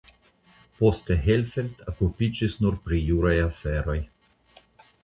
Poste Hellfeld okupiĝis nur pri juraj aferoj.